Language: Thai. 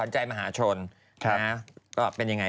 จะตบปากได้ดินเอง